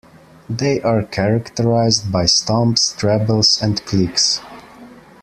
They are characterized by stomps, trebles, and clicks.